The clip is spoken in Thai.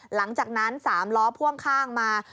หลังจากนั้น๓ล้อพ่วงข้างมา